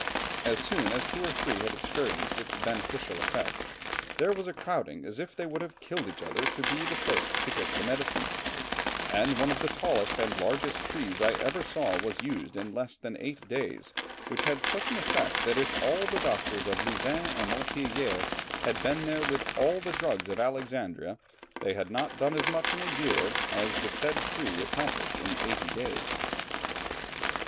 As soon as two or three had experienced its beneficial effects "there was a crowding as if they would have killed each other to be the first to get the medicine; and one of the tallest and largest trees I ever saw was used in less than eight days, which had such an effect that if all the doctors of Louvain and Montpellier had been there with all the drugs of Alexandria, they had not done as much in a year as the said tree accomplished in eight days."